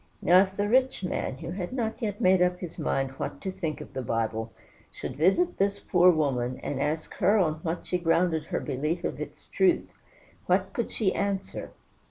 Now, if the rich man, who had not yet made up his mind what to think of the Bible, should visit this poor woman, and ask her on what she grounded her belief of its truth, what could she answer?